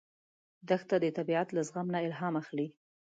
دښته د طبیعت له زغم نه الهام اخلي.